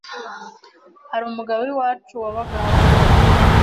Hari umugabo w’iwacu wabaga hafi aho